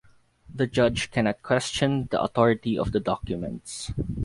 The judge cannot question the authority of the documents.